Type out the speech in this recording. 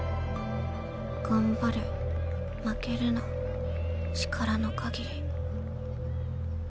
頑張れ負けるな力のかぎり。